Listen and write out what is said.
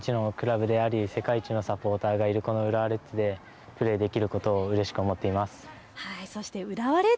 日本一のクラブである世界一のサポーターがいる浦和レッズでプレーできることをうれしく思っています。